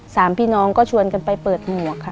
สามพี่น้องก็ชวนกันไปเปิดหมวกค่ะ